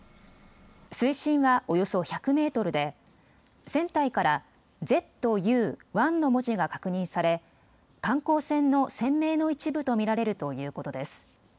水深は、およそ１００メートルで船体からＺ、Ｕ、の文字が確認され観光船の船名の一部と見られるということです。